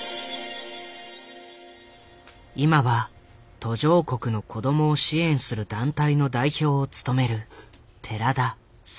今は途上国の子供を支援する団体の代表を務める寺田朗子。